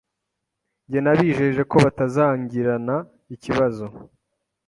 Njye nabijeje ko batazangirana ikibazo